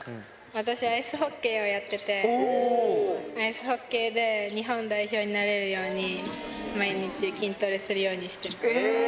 私、アイスホッケーをやってて、アイスホッケーで日本代表になれるように、毎日、筋トレするえー！